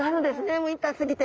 もう痛すぎて。